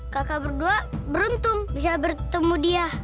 kakak berdua beruntung bisa bertemu dia